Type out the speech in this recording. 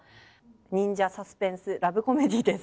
忍者サスペンスラブコメディーです。